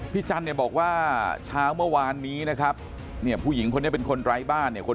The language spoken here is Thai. จันเนี่ยบอกว่าเช้าเมื่อวานนี้นะครับเนี่ยผู้หญิงคนนี้เป็นคนไร้บ้านเนี่ย